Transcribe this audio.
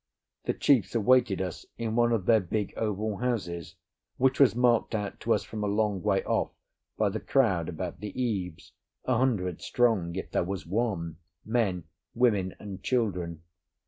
The chiefs awaited us in one of their big oval houses, which was marked out to us from a long way off by the crowd about the eaves, a hundred strong if there was one—men, women, and children.